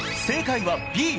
正解はＢ。